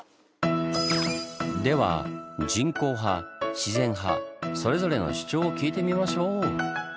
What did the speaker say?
では人工派自然派それぞれの主張を聞いてみましょう！